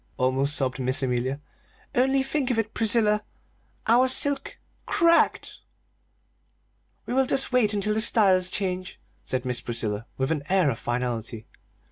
almost sobbed Miss Amelia. "Only think of it, Priscilla, our silk cracked!" "We will just wait until the styles change," said Miss Priscilla, with an air of finality.